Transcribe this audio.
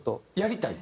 やりたい？